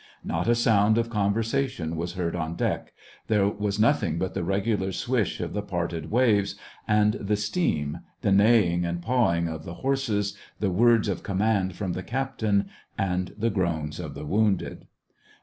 Not a sound of conversation was heard on deck ; there was nothing but the regular swish of the parted waves, and the steam, the neighing and pawing of the horses, the words of command from the cap tain, and the groans of the wounded.